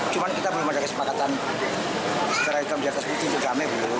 cuman kita belum ada kesepakatan secara ekonomi dan kesempatan juga ameh dulu